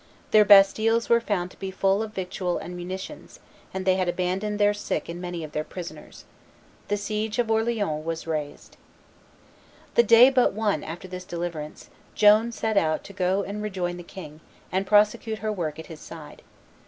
Their bastilles were found to be full of victual and munitions; and they had abandoned their sick and many of their prisoners. The siege of Orleans was raised. The day but one after this deliverance, Joan set out to go and rejoin the king, and prosecute her work at his side.